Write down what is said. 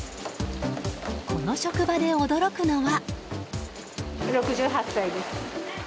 この職場で驚くのは。